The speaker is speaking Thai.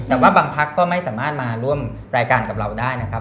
แต่ว่าบางพักก็ไม่สามารถมาร่วมรายการกับเราได้นะครับ